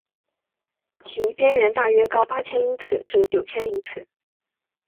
其边缘大约高八千英尺至九千英尺。